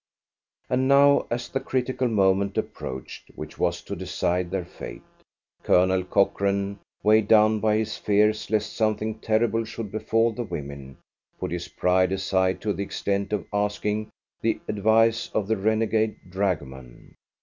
And now, as the critical moment approached which was to decide their fate, Colonel Cochrane, weighed down by his fears lest something terrible should befall the women, put his pride aside to the extent of asking the advice of the renegade dragoman.